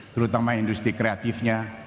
terutama industri kreatifnya